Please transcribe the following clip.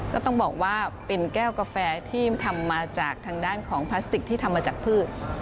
ก็ต้องบอกว่าเป็นแก้วกาแฟที่ทำมาจากทางด้านของพลาสติกที่ทำมาจากพืช